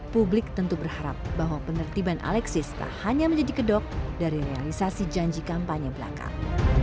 publik tentu berharap bahwa penertiban alexis tak hanya menjadi kedok dari realisasi janji kampanye belakang